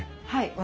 はい。